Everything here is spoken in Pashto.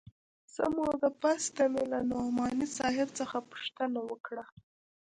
څه موده پس ته مې له نعماني صاحب څخه پوښتنه وکړه.